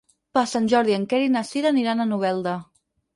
Per Sant Jordi en Quer i na Sira aniran a Novelda.